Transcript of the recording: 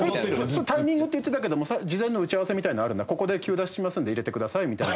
タイミングって言ってたけども事前の打ち合わせみたいな「ここでキュー出ししますので入れてください」みたいな。